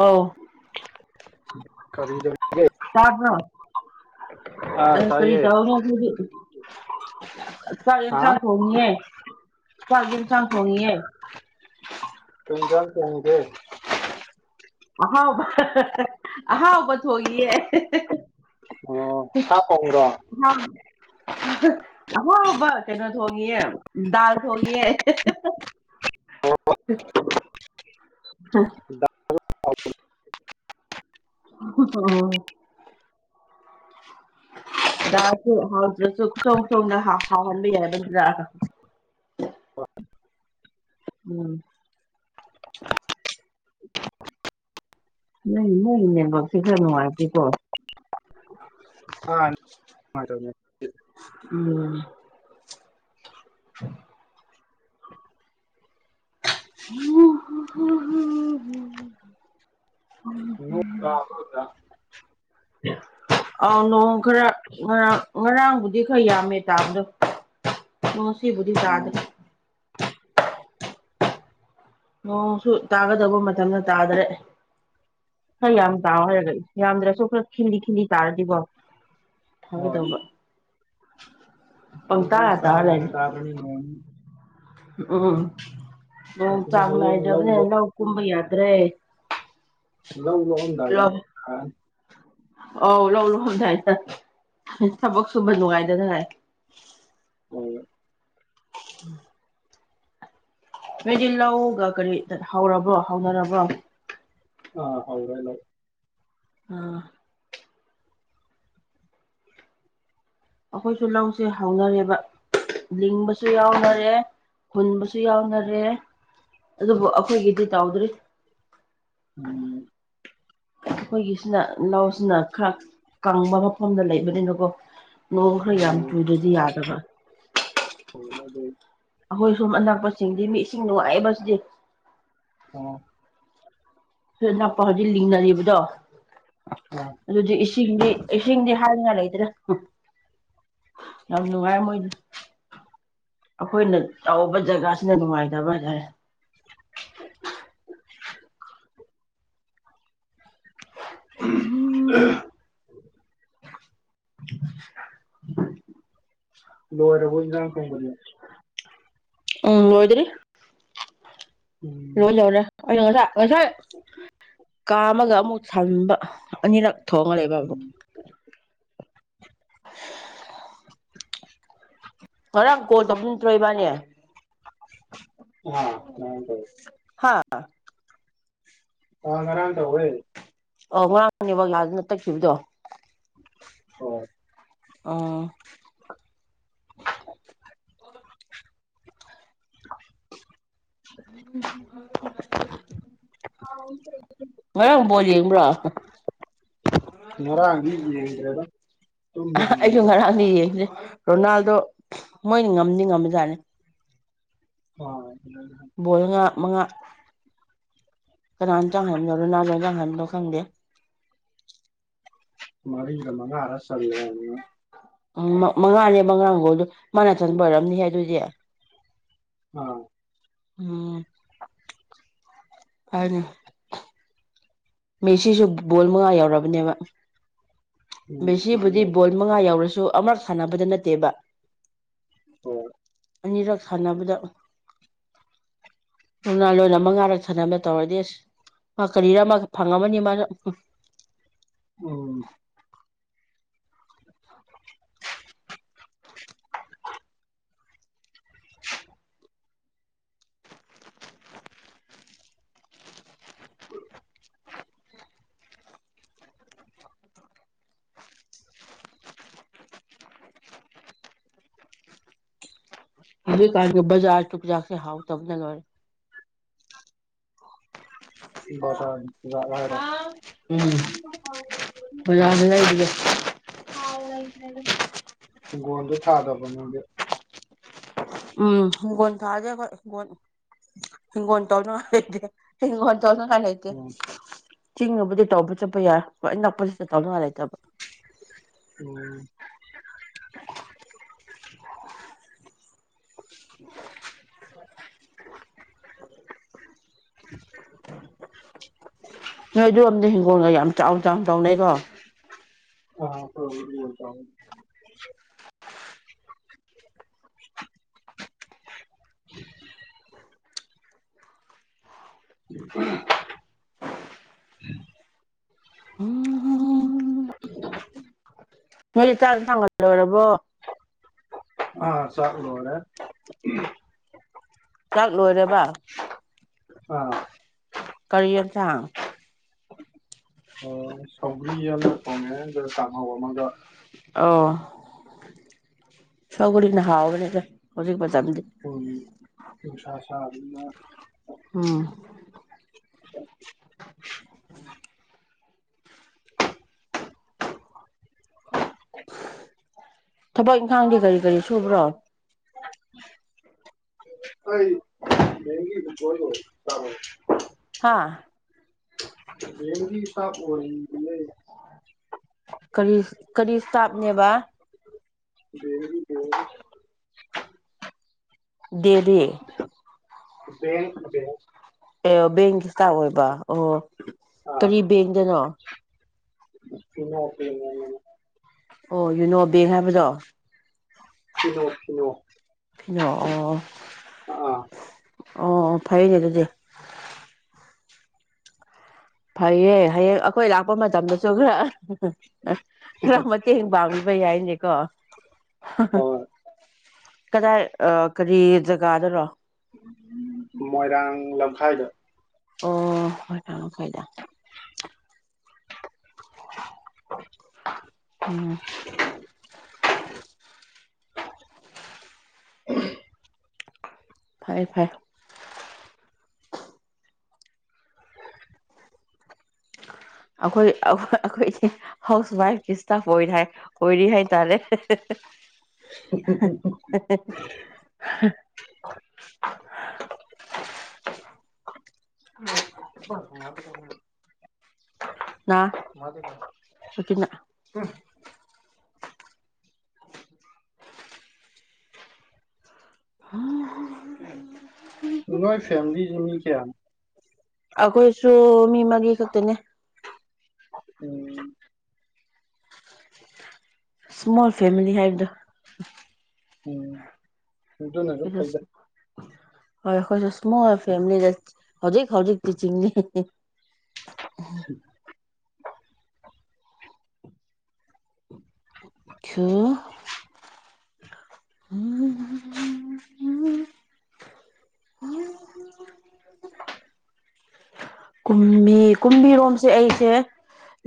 ꯑꯥꯎ ꯀꯔꯤꯗꯧꯔꯤꯒꯦ ꯇꯥꯕꯔꯣ ꯑꯥ ꯑ ꯀꯔꯤ ꯇꯥꯏꯌꯦ ꯇꯧꯔꯨꯅꯤ ꯑꯩꯗꯤ ꯍꯥ ꯆꯥꯛ ꯏꯟꯁꯥꯡ ꯊꯣꯡꯂꯤꯌꯦ ꯀꯩ ꯏꯟꯖꯥꯡ ꯊꯣꯡꯉꯤꯒꯦ ꯑꯍꯥꯎꯕꯥ ꯍꯥꯍꯥꯍꯥꯍꯥ ꯑꯍꯥꯎꯕ ꯊꯣꯉꯤꯌꯦ ꯍꯦꯍꯦ ꯑꯣ ꯁꯥ ꯊꯣꯡꯉꯤꯔꯣ ꯑꯣ ꯑꯍꯥꯎꯕꯥ ꯀꯩꯅꯣ ꯊꯣꯡꯂꯤꯌꯦ ꯗꯥꯜ ꯊꯣꯡꯂꯤꯌꯦ ꯍꯥ ꯗꯥꯜ. ꯍ ꯍꯗꯁꯨ ꯊ ꯊꯗ ꯍꯥꯂ ꯌꯥꯕ ꯍ ꯎꯝ ꯅꯣꯏ ꯏꯃꯨꯡ ꯅꯦꯠꯋꯥꯛ ꯁꯦ ꯈꯔꯥ ꯅꯨꯡꯉꯥꯏꯇꯦ ꯀꯦ ꯑ ꯗ ꯗ ꯗ ꯅꯣꯡ ꯇꯕꯒꯥ ꯑꯥꯎ ꯅꯣꯡ ꯈꯔ ꯉꯔꯥꯡ ꯉꯔꯥꯡꯕꯨꯗꯤ ꯈꯔ ꯌꯥꯝꯃꯦ ꯇꯥꯕꯗꯣ ꯉꯁꯤꯕꯨꯗꯤ ꯇꯥꯗꯔꯦ ꯎꯝ ꯅꯣꯡ ꯁꯨ ꯇꯥꯒꯗꯕ ꯃꯇꯝꯗ ꯇꯥꯗ꯭ꯔꯦ ꯈꯔ ꯌꯥꯝ ꯇꯥꯎ ꯍꯥꯏꯔꯒ ꯌꯥꯝꯗ꯭ꯔꯁꯨ ꯈꯔ ꯈꯤꯛꯂꯤ ꯈꯤꯛꯂꯤ ꯇꯥꯔꯗꯤꯀꯣ ꯍꯣꯏ ꯐꯥꯒꯗꯧꯕ ꯁ ꯆꯥꯡ ꯅꯥꯏꯅꯥ ꯇꯥꯗꯕꯅꯤꯅꯦ ꯅꯣꯡꯖꯦ ꯑꯣ ꯅꯤꯡ ꯑꯁꯤꯅ ꯆꯥꯡ ꯍꯌꯦꯡ ꯅꯥꯏꯗꯔ꯭ꯕꯅꯤꯅꯥ ꯂꯣꯛ ꯂꯧ ꯀꯨꯨꯝꯕ ꯌꯥ ꯗꯔ꯭ꯦ ꯂꯧ ꯂꯣꯛꯑꯝꯗꯥꯏꯗ ꯂꯧ ꯂꯣꯛꯑꯝ ꯗꯥꯏꯗ ꯊꯕꯛ ꯁꯨꯕ ꯅꯨꯡꯉꯥꯏꯒꯗꯔꯥ ꯑꯣ ꯎꯝ ꯑꯩꯗꯤ ꯂꯧꯒ ꯀꯔꯤ ꯍꯧꯔꯕ꯭ꯔꯣ ꯍꯧꯅꯔꯕ꯭ꯔꯣ ꯑ ꯍꯧꯔꯦ ꯂꯧ ꯑ ꯑꯩꯈꯣꯏꯁꯨ ꯂꯧꯁꯦ ꯍꯧꯅꯔꯦꯕ ꯂꯤꯡꯕ ꯎꯝ ꯌꯥꯑꯣꯅꯔꯦ ꯍꯨꯟꯕꯁꯨ ꯌꯥꯎꯅꯔꯦ ꯑꯗꯨꯕꯨ ꯑꯩꯈꯣꯏꯒꯤꯗꯤ ꯇꯧꯗ꯭ꯔꯤ ꯎꯝ ꯑꯩꯈꯣꯏꯒꯤꯁꯤꯅ ꯂꯧꯁꯤꯅ ꯈꯔ ꯀꯪꯕ ꯃꯐꯝꯗ ꯂꯩꯕꯅꯤꯅꯀꯣ ꯅꯣꯡ ꯈꯔ ꯑꯣ ꯌꯥꯝ ꯆꯨꯗ꯭ꯔꯗꯤ ꯌꯥꯗꯕ [inaudible] ꯍ ꯑꯩꯈꯣꯏ ꯁꯨꯝ ꯑꯅꯛꯄꯁꯤꯡꯗꯤ ꯃꯤ ꯑꯁ ꯑꯣ ꯐꯅꯄꯥ ꯍꯧꯖꯤꯛ ꯂꯤꯡꯅꯅꯤꯕꯗꯥꯣꯑꯣ ꯑꯥ ꯑꯗꯨꯗꯤ ꯏꯁꯤꯡꯗꯤ ꯏꯁꯤꯡꯗꯤ ꯍꯥꯏꯗꯅ ꯂꯩꯇ꯭ꯔꯦ ꯌꯥꯝ ꯅꯨꯡꯉꯥꯏ ꯃꯣꯏꯅ ꯑꯩꯈꯣꯏꯅ ꯇꯧꯕ ꯖꯒꯥꯁꯤꯅ ꯅꯨꯡꯉꯥꯏꯇ ꯃꯗ [inaudible] ꯎꯝ [inaudible] ꯂꯣꯔꯕꯨ ꯀꯣꯕꯣ ꯎꯝ ꯍꯣꯏꯗꯔꯤ ꯎꯝ ꯂꯣꯏ ꯂꯧꯧꯔꯦ ꯑꯩꯅꯣ ꯉꯁꯥꯏ ꯉꯁꯥꯏ ꯀꯥꯝꯃꯒ ꯑꯃꯨꯛ ꯊꯝꯕ ꯑꯅꯤꯔꯛ ꯊꯣꯡꯦꯕꯨ ꯎꯝ [inaudible] ꯉꯔꯥꯡ ꯀꯣꯜ ꯇꯧꯅꯤꯡ ꯅꯠꯇ꯭ꯔꯣ ꯏꯕꯥꯅꯦ ꯑ ꯃ ꯇꯦ ꯑ ꯑ ꯉꯔꯝ ꯇ ꯑꯣꯏꯌꯦ ꯑ ꯉꯔꯥꯡꯅꯦꯕ ꯂꯥꯛꯗꯅ ꯇꯛꯈꯤꯕꯗꯣ ꯑꯣ ꯑ ꯎ ꯉꯔꯥꯡꯕꯣ ꯌꯦꯡꯕ꯭ꯔꯥ ꯉꯔꯥꯡꯗꯤ ꯌꯦꯡꯗ꯭ꯔꯦꯗ ꯇꯨꯝꯕꯩ ꯉꯝꯃꯗ ꯑꯩꯁꯨ ꯉꯔꯥꯡꯗꯤ ꯌꯦꯡꯗꯦ ꯔꯣꯅꯥꯜꯗꯣ ꯃꯣꯏꯅꯤ ꯉꯝꯗꯤ ꯉꯝꯃꯤꯖꯠꯅꯤ ꯍ ꯣꯉ ꯃꯉꯥ ꯀꯅꯥꯝꯇꯥꯡ ꯍꯥꯏꯕꯅꯣ ꯂꯣꯅꯥꯂꯣꯟꯣꯟ ꯆꯥꯡ ꯍꯥꯏꯕꯅꯣ ꯈꯪꯗꯦ ꯃꯗꯤꯒ꯭ꯔ ꯃꯥꯒ ꯑꯔꯁꯨꯔ ꯎꯝ ꯃꯉꯥꯅꯦ ꯃꯉꯥꯈꯣꯜꯗ ꯃꯥꯅꯥ ꯆꯟꯕ ꯑꯣꯏꯔꯝꯅꯤ ꯍꯥꯏ ꯑꯗꯨꯗꯤ ꯑ ꯎꯝ ꯍꯥꯏꯅꯤꯣ ꯃꯦꯁꯤꯁꯨ ꯕꯣꯜ ꯃꯉꯥ ꯌꯧꯔꯕꯅꯦꯕ ꯕꯦꯁꯤꯕꯨꯗꯤ ꯕꯣꯜ ꯃꯉꯥ ꯌꯧꯔꯁꯨ ꯑꯃꯛ ꯁꯥꯟꯅꯕꯗ ꯅꯠꯇꯦꯕ ꯍꫭꯏ ꯑꯅꯤꯔꯛ ꯁꯥꯟꯅꯕꯗ ꯔꫭꯅꯥꯜꯗꫭꯅ ꯃꯉꯥꯔꯛ ꯁꯥꯟꯅꯕ ꯇꯧꯔꯗꯤ ꯑꯁ ꯃꯥ ꯀꯔꯤꯔ ꯃꯥ ꯐꯪꯉꯝꯃꯅꯤ ꯃꯥꯁꯨ ꯎꯝ [inaudible] ꯍꯧꯖꯤꯛꯀꯥꯥꯟꯒꯤ ꯕꯖꯥꯔ ꯆꯨꯛꯖꯥꯛꯁꯦ ꯍꯥꯎ ꯇꯕꯅ ꯂꫭꯏꯔꯦ ꯕꯖꯥꯔꯒꯤ ꯆꯨꯖꯥꯛ ꯍꯥꯏꯔꫭ ꯎꯝ ꯎꯝ ꯕꯖꯥꯔꯗ ꯂꯩꯕꯗꯣ ꯊꯥꯎ ꯂꯩ [unintelligible] ꯍꯤꯡꯒꯣꯟꯗꯣ ꯊꯥꯗꯕ ꯅꯪꯗꯤ ꯎꯝ ꯍꯤꯡꯒꯣꯟ ꯊꯥꯗꯦ ꯑꯩꯈꯣꯏ ꯍꯤꯡꯒꯣꯟ ꯍꯤꯡꯒꯣꯟ ꯇꯧꯅ ꯉꯥꯏ ꯂꯥꯇꯦ ꯍꯤꯡꯒꫭꯟ ꯇꯧꯅꯉꯥꯏ ꯂꯩꯇꯦ ꯎꯝ ꯆꯤꯡꯉꯕꯨꯗꯤ ꯇꯧꯕ ꯆꯠꯄ ꯌꯥꯏ ꯍꯣꯏ ꯅꯛꯄꯁꯤꯗ ꯇꯥꯎꯅꯤꯡꯉꯥꯏ ꯂꯩꯇꯕ ꯎꯝ [inaudible] [inaudible] ꯅꯣꯏ ꯑꯗꯨ ꯔꫭꯝꯗ ꯍꯤꯡꯒꯣꯜꯒ ꯌꯥꯝ ꯆꯥꯎꯅ ꯆꯥꯎꯅ ꯇꯧꯅꯩꯀꯣ ꯑ ꯇꯧꯏ ꯍꯤꯡꯒꫭꯟ ꯆꯥꯎꯅ [unintelligible] [inaudible] [inaudible] ꯎꯝ [inaudible] ꯅꯣꯏꯗꯤ ꯆꯥꯛ ꯑꯗꯨꯝ ꯊꯥꯡꯒꯠ ꯂꯣꯏꯔꯕꯣ ꯑꯥ ꯆꯥꯛ ꯂꫭꯏꯔꯦ ꯆꯥꯛ ꯂꯣꯏꯔꯕ ꯑꯥ ꯀꯔꯤ ꯑꯦꯟꯁꯥꯡ ꯑꯣ ꯁꯧꯒ꯭ꯔꯤ ꯑꯃ ꯊꫭꯡꯉꯦ ꯑꯗꯨꯒ ꯀꯥꯡꯍꯧ ꯑꯃꯒ ꯑꯣ ꯁꯣꯒꯔꯤꯅ ꯍꯥꯎꯕꯅꯤꯗ ꯍꯧꯖꯤꯛ ꯃꯇꯝꯗꯤ ꯎꯝ ꯎꯁꯥꯁꯥ ꯗꯨꯝꯃ ꯎꯝ [inaudible] ꯊꯕꯛ ꯏꯪꯈꯥꯡꯗꯤ ꯀꯔꯤ ꯀꯔꯤ ꯁꯨꯕ꯭ꯔꯣ ꯑꯩ‌ ꯕꯦꯡꯒꯤ ꯏꯝꯄ꯭ꯂꫭꯌꯤ ꯑꫭꯏꯔꯤ ꯁ꯭ꯇꯥꯕ ꯑꫭꯏꯔꯤ ꯍꯥ ꯕꯦꯡꯒꯤ ꯁ꯭ꯇꯥꯕ ꯑꯣꯏꯔꯤꯌꯦ ꯀꯔꯤ ꯀꯔꯤ ꯁꯇꯥꯞꯅꯦꯕꯥ ꯕꯦꯡꯒꯤ ꯕꯦꯡꯒꯤ ꯗꯦꯜꯂꯤ ꯦꯡꯗꯦꯡ [unintelligible] ꯑꯦ ꯕꯦꯡꯒꯤ ꯏꯁꯇꯥꯐ ꯑꯣꯏꯕ ꯑꯣ ꯑꯥ ꯀꯔꯤ ꯕꯦꯡꯗꯅꯣ [unintelligible] ꯑꯣ ꯌꯨꯅꯣ ꯕꯦꯡ ꯍꯥꯏꯕꯗꯣ ꯀꯅꯣ ꯀꯅꯣ ꯐꯤꯅꯣꯑꯣ ꯑꯣ ꯑꯥ ꯑꯣ ꯐꯩꯅꯦ ꯑꯗꯨꯗꯤ ꯐꯩꯌꯦ ꯍꯌꯦꯡ ꯑꯩꯈꯣꯏ ꯂꯥꯛꯄ ꯃꯇꯝꯗꯁꯨ ꯈꯔ ꯈꯔ ꯃꯇꯦꯡ ꯄꯥꯡꯕꯤꯕ ꯌꯥꯏꯅꯦꯀꯣ [unintelligible] ꯍꯣꯏ ꯀꯗꯥ ꯑ ꯀꯔꯤ ꯖꯒꯥꯗ ꯂꯣ ꯃꯣꯏꯔꯥꯡ ꯂꯝꯈꯥꯏꯗ ꯑꯣ [inaudible] ꯐꯥꯏꯗ [unintelligible] ꯑꯣ [unintelligible] ꯐꯔꯦ ꯐꯔꯦ ꯑꯩꯈꯣꯏ ꯑꯩꯈꯣꯏ ꯍꯥꯎꯁ ꯋꯥꯏꯐꯁꯇ ꯑꯣꯏꯔꯤ ꯑꯣꯏꯔꯤ ꯍꯥꯏ ꯇꯔꯦ [unintelligible] [inaudible] ꯎꯝ ꯅꯣꯏ ꯐꯦꯃꯦꯂꯤ ꯃꯤ ꯀꯌꯥꯅꯣ ꯑꯩꯈꯣꯏꯁꯨ ꯃꯤ ꯃꯔꯤ ꯈꯛꯇꯅꯦ ꯎꯝ ꯁꯃꯣꯜ ꯐꯦꯃꯤꯂꯤ ꯍꯥꯢꯕꯗꯣ ꯎꯝ ꯑꯗꯨꯅꯁꯨ ꯐꯩꯗ ꯍꯣꯏ ꯑꯩꯈꯣꯏꯁꯨ ꯏꯁꯃꯣꯜ ꯐꯦꯃꯤꯂꯤꯗ ꯍꯧꯖꯤꯛ ꯍꯧꯖꯤꯛꯛꯇꯤ ꯆꯤꯡꯅꯤ ꯈ ꯎ ꯀꯨꯝꯕꯤ ꯀꯨꯝꯕꯤꯔꯣꯝꯁꯦ ꯑꯩꯁꯦ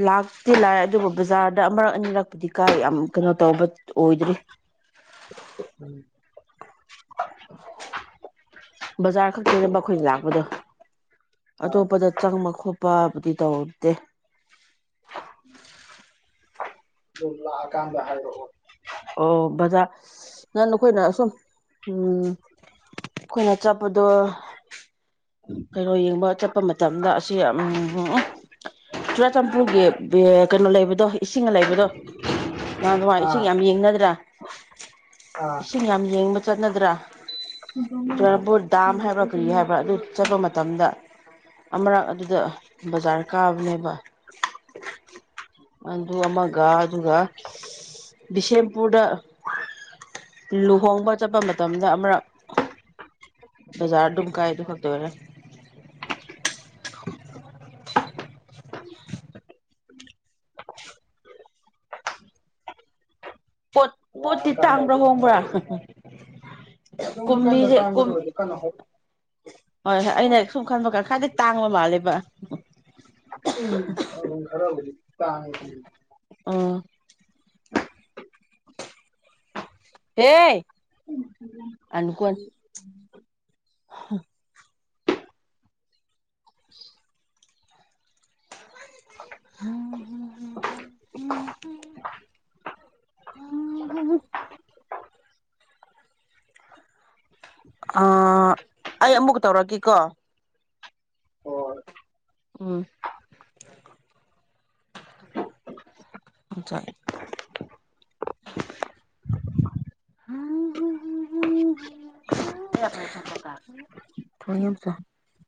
ꯂꯥꯛꯇꯤ ꯂꯥꯛꯑꯦ ꯑꯗꯨꯕꯨ ꯕꯖꯥꯔꯗ ꯑꯃꯛ ꯑꯅꯤꯔꯛꯄꯗꯤ ꯀꯥꯏ ꯌꯥꯝ ꯀꯩꯅꯣ ꯇꯧꯕ ꯑꯣꯏꯗ꯭ꯔꯤ ꯎꯝ ꯕꯖꯥꯔ ꯈꯛꯇꯤꯅꯦꯕ ꯑꯩꯈꯣꯏꯅ ꯂꯥꯛꯄꯗꯣ ꯑꯥ ꯑꯇꯣꯞꯄꯗ ꯆꯪꯕ ꯈꯣꯠꯄꯕꯨꯗꯤ ꯇꯧꯔꯛꯇ‌ꯦ ꯗ‌ꯣ ꯂꯥꯛꯑꯀꯟꯗ ꯍꯥꯏꯔꯛꯑꯣ ꯑꯣ ꯕꯖꯥꯔ ꯅꯪ ꯅꯈꯣꯏꯅ ꯁꯨꯝ ꯎꯝ ꯑꯩꯈꯣꯏꯅ ꯆꯠꯄꯗꯣ ꯀꯩꯅꯣ ꯌꯦꯡꯕ ꯆꯠꯄ ꯃꯇꯝꯗ ꯑꯁꯤ ꯎꯝ ꯆꯨꯔꯆꯥꯟꯄꯨꯔꯒꯤ ꯀꯩꯅꯣ ꯂꯩꯕꯗꯣ ꯏꯁꯤꯡ ꯂꯩꯕꯗꯣ ꯅꯍꯥꯟ ꯋꯥꯏ ꯏꯁꯤꯡ ꯑꯥ ꯌꯥꯝ ꯌꯦꯡꯅꯗ꯭ꯔꯥ ꯑꯥ ꯏꯁꯤꯡ ꯌꯥꯝ ꯌꯦꯡꯕ ꯆꯠꯅꯗ꯭ꯔꯥ ꯑꯥ ꯆꯨꯔꯆꯝꯄꯨꯔ ꯗꯥꯝ ꯍꯥꯏꯕ꯭ꯔꯥ ꯀꯔꯤ ꯍꯥꯏꯕ꯭ꯔꯥ ꯑꯗꯨ ꯆꯠꯄ ꯃꯇꯝꯗ ꯑꯃꯨꯔꯛ ꯑꯗꯨꯗ ꯕꯖꯥꯔ ꯀꯥꯕꯅꯦꯕ ꯑꯗꯨ ꯑꯃꯒ ꯑꯗꯨꯒ ꯕꯤꯁꯦꯝꯄꯨꯔꯗ ꯂꯨꯍꯣꯡꯕ ꯆꯠꯄ ꯃꯇꯝꯗ ꯑꯃꯔꯛ ꯕꯖꯥꯔ ꯑꯗꯨꯝ ꯀꯥꯏ ꯑꯗꯨ ꯈꯛꯇ [inaudible] ꯄꯣꯠ ꯄꯣꯠꯇꯤ ꯂꯥꯛꯑꯀꯥꯟꯗ ꯇꯥꯡꯕ꯭ꯔꯥ ꯑꯗꯨꯝ ꯍꯣꯡꯕ꯭ꯔꯥ [inaudible] ꯍꯥꯏꯔꯛꯑꯣ ꯑꯗꯨꯝ ꯀꯟꯅ ꯀꯨꯝꯕꯤꯁꯦ ꯀꯨꯝ ꯇꯥꯡꯕꯗꯁꯨ ꯀꯟꯅ ꯍ ꯍꯣꯏ ꯍꯣꯏ ꯑꯩꯅ ꯁꯨꯝ ꯈꯟꯕ ꯈꯔ ꯈꯔꯗꯤ ꯇꯥꯡꯕ ꯃꯥꯜꯂꯦꯕ ꯎꯝ ꯈꯔꯕꯨꯗꯤ [inaudible] ꯑꯥ ꯍꯦ ꯑꯅꯨ ꯀꯣꯟ ꯍ [unintelligible] ꯝ ꯎ ꯍꯨꯝ ꯑ ꯑꯩ ꯑꯃꯨꯛ ꯇꯧꯔꯛꯀꯦꯀꯣ ꯍꯣꯏ ꯎꯝꯆꯥꯏ [inaudible] [unintelligible] ꯊꯅꯤꯝꯁ [inaudible] [unintelligible]